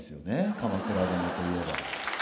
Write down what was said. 「鎌倉殿」といえば。